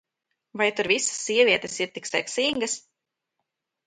Vai tur visas sievietes ir tik seksīgas?